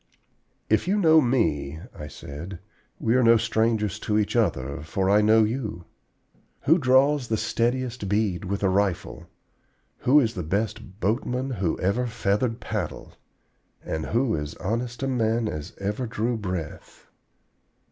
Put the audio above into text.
"If you know me," I said, "we are no strangers to each other, for I know you. Who draws the steadiest bead with a rifle; who is the best boatman who ever feathered paddle, and who is as honest a man as ever drew breath?